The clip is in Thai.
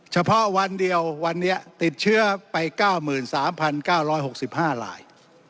เฉพาะวันเดียววันนี้ติดเชื้อไป๙๓๙๖๕ลาย